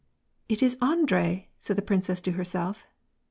" It is Andrei !" said the princess to herself.